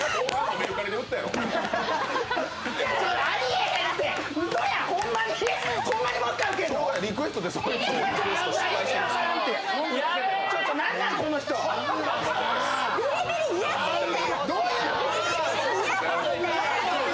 ビリビリ嫌すぎて！